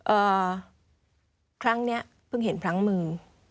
เอ่อครั้งเนี้ยเพิ่งเห็นพลั้งมือ